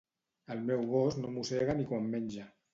El meu gos no mossega ni quan menja